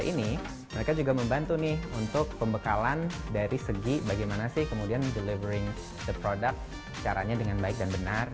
ini mereka juga membantu nih untuk pembekalan dari segi bagaimana sih kemudian delivering the product caranya dengan baik dan benar